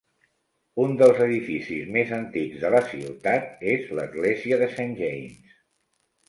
Un dels edificis més antics de la ciutat és l'església de Saint James.